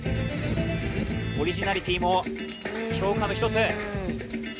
オリジナリティーも評価の一つ。